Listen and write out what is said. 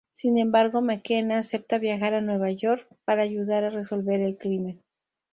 Sin embargo, McKenna acepta viajar a Nueva York para ayudar a resolver el crimen.